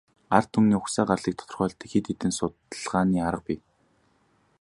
Ард түмний угсаа гарлыг тодорхойлдог хэд хэдэн судалгааны арга бий.